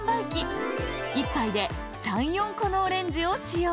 １杯で３４個のオレンジをしよう。